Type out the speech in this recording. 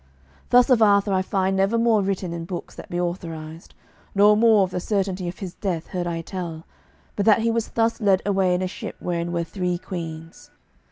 Thus of Arthur I find never more written in books that be authorised, nor more of the certainty of his death heard I tell, but that he was thus led away in a ship wherein were three queens.